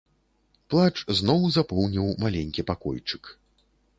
Плач зноў запоўніў маленькі пакойчык.